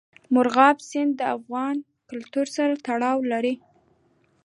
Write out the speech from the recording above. مورغاب سیند د افغان کلتور سره تړاو لري.